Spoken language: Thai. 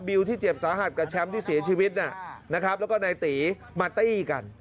ที่เจ็บสาหัสกับแชมป์ที่เสียชีวิตนะครับแล้วก็นายตีมาตี้กัน